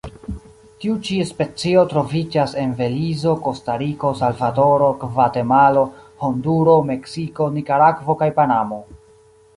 Tiu ĉi specio troviĝas en Belizo, Kostariko, Salvadoro, Gvatemalo, Honduro, Meksiko, Nikaragvo kaj Panamo.